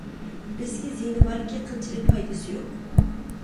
بىزگە زىيىنى باركى، قىلچىلىك پايدىسى يوق!